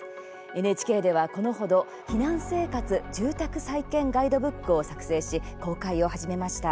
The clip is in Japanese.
ＮＨＫではこの程「避難生活＆住宅再建ガイドブック」を作成し、公開を始めました。